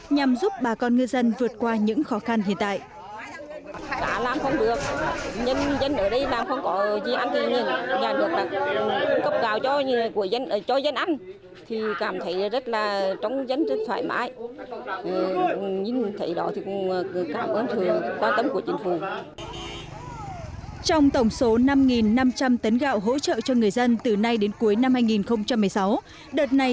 nhằm giúp bà con ngư dân vượt qua những khó khăn hiện tại